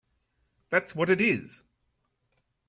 That’s what it is!